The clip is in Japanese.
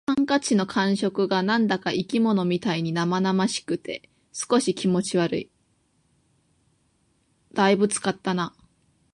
ハンカチの感触が何だか生き物みたいに生々しくて、少し気持ち悪い。「大分使ったな」